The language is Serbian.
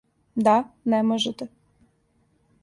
Да, не можете.